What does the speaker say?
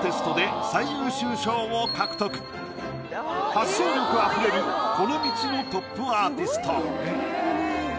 発想力あふれるこの道のトップアーティスト。